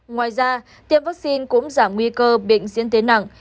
ngoài ra tiêm vaccine cũng giảm nguy cơ bệnh diễn tiến nặng